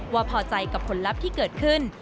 ว่าพอใจกับผลลัพธ์ที่เกิดขึ้น